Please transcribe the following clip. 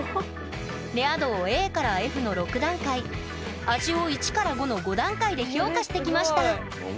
レア度をＡからＦの６段階味を１から５の５段階で評価してきました。